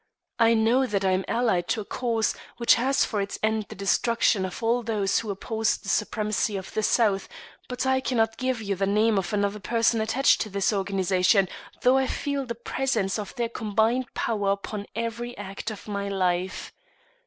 I know that I am allied to a cause which has for its end the destruction of all who oppose the supremacy of the South, but I cannot give you the name of another person attached to this organization, though I feel the pressure of their combined power upon every act of my life.